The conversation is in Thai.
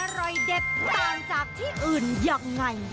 เด็ดต่างจากที่อื่นยังไง